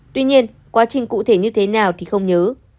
tuy nhiên quá trình cụ thể như thế nào thì không nhớ